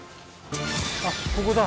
あっここだ。